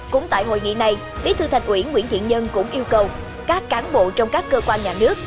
cũng tại hội nghị này bí thư thành ủy nguyễn thiện nhân cũng yêu cầu các cán bộ trong các cơ quan nhà nước